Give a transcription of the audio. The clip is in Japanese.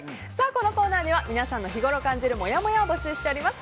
このコーナーでは皆さんの日ごろ感じるもやもやを募集しております。